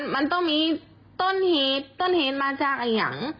อ๋อมันต้องมีต้นเหตุต้นเหตุมาจากอย่าง